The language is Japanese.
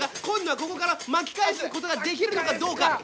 紺野はここから巻き返すことができるのかどうか？